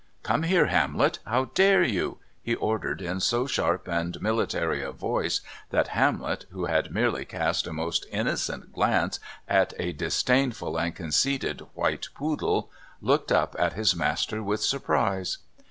"Come here, Hamlet. How dare you?" he ordered in so sharp and military a voice that Hamlet, who had merely cast a most innocent glance at a disdainful and conceited white poodle, looked up at his master with surprise.